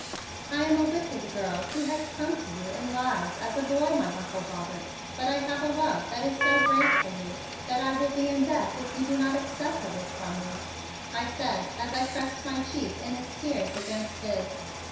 "I am a wicked girl who has come to you in lies as a boy, my Uncle Robert, but I have a love that is so great for you that I will be in death if you do not accept of it from me," I said as I pressed my cheek in its tears against his.